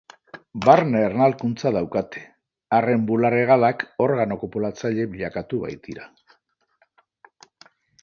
Barne ernalkuntza daukate, arren bular-hegalak organo kopulatzaile bilakatu baitira.